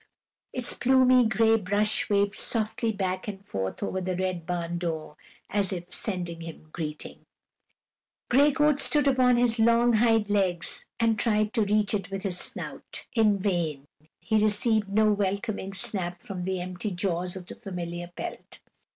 Its plumy gray brush waved softly back and forth over the red barn door as if sending him greeting. Gray Coat stood upon his long hind legs and tried to reach it with his snout. In vain; he received no welcoming snap from the empty jaws of the familiar pelt.